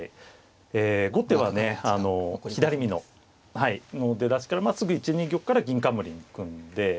後手はね左美濃の出だしからすぐ１二玉から銀冠に組んで。